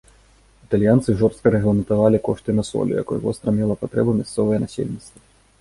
Італьянцы жорстка рэгламентавалі кошты на соль, у якой востра мела патрэбу мясцовае насельніцтва.